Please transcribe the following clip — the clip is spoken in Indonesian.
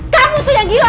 kamu tuh yang gila